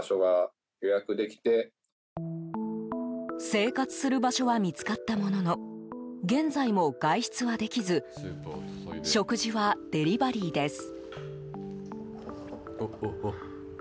生活する場所は見つかったものの現在も外出はできず食事はデリバリーです。